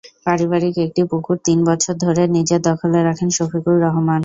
পারিবারিক একটি পুকুর তিন বছর ধরে নিজের দখলে রাখেন শফিকুর রহমান।